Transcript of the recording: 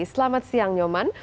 selamat siang nyoman